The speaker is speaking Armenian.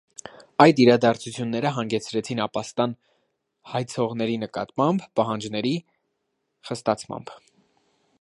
Այդ իրադարձությունները հանգեցրեցին ապաստան հայցողների նկատմամբ պահանջների խստացմամբ։